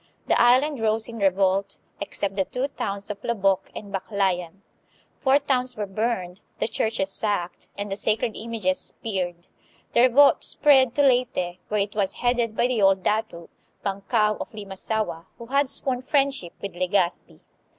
The island rose in revolt, except the two towns of Lobok and Baklayan. Four towns were burned, the churches sacked, and the sacred images speared. The revolt spread to Leyte, where it was headed by the old dato, Bankao of Limasaua, who had sworn friendship with Legazpi.